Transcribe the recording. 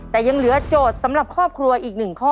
แต่ยังเหลือโจทย์สำหรับครอบครัวอีก๑ข้อ